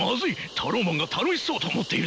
タローマンが楽しそうと思っているぞ！